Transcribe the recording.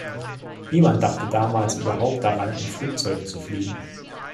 Niemand dachte damals überhaupt daran, in Flugzeugen zu fliegen.